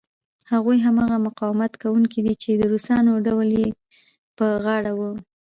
هغوی هماغه مقاومت کوونکي دي چې د روسانو ډول یې پر غاړه و.